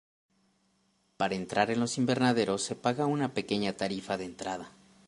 Para entrar en los invernaderos se paga una pequeña tarifa de entrada.